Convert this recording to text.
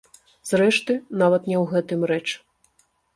Зрэшты, нават не ў гэтым рэч.